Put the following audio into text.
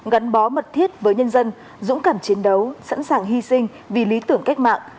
gắn bó mật thiết với nhân dân dũng cảm chiến đấu sẵn sàng hy sinh vì lý tưởng cách mạng